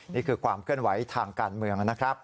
นี่คือความเคลื่อนไหวทางการเมืองนะครับ